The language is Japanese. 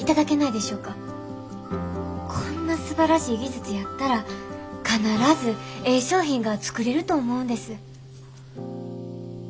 こんなすばらしい技術やったら必ずええ商品が作れると思うんです。